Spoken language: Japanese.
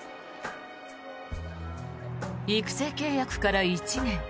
育成契約から１年。